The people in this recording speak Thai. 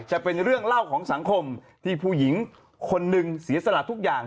จะเป็นเรื่องเล่าของสังคมที่ผู้หญิงคนหนึ่งเสียสละทุกอย่าง